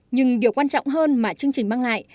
nhưng điều quan trọng hơn mà chương trình mang lại